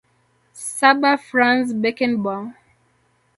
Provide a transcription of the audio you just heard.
Saba Franz Beckenbaue